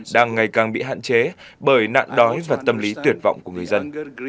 đang ngày càng bị hạn chế bởi nạn đói và tâm lý tuyệt vọng của người dân